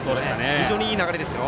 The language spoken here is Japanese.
非常にいい流れですよ。